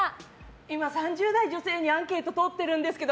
今、３０代女性にアンケートをとってるんですけど。